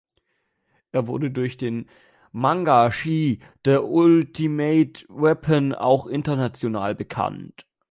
Er wurde durch den Manga "She, The Ultimate Weapon" auch international bekannt.